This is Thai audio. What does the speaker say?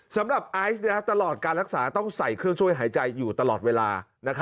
ไอซ์ตลอดการรักษาต้องใส่เครื่องช่วยหายใจอยู่ตลอดเวลา